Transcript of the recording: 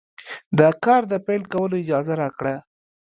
د کار د پیل کولو اجازه راکړه.